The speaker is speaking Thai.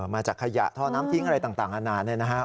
มาจากขยะท่อน้ำทิ้งอะไรต่างอาณาเนี่ยนะครับ